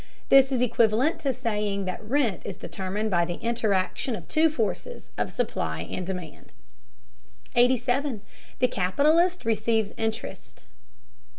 This is equivalent to saying that rent is determined by the interaction of the two forces of supply and demand. 87. THE CAPITALIST RECEIVES INTEREST.